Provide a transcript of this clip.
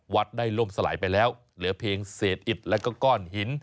วัดได้ล่มสลายไปแล้วเหลือเพียงเศษอิดแล้วก็ก้อนหิน